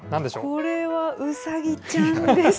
これは、うさぎちゃんです。